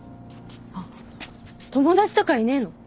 あっ友達とかいねえの？